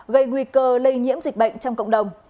gây nguy cơ lây nhiễm dịch bệnh trong cộng đồng